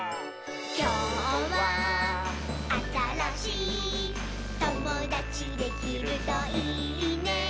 「きょうはあたらしいともだちできるといいね」